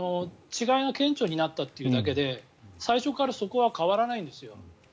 違いが顕著になったというだけで最初からそこは変わらないんですよ。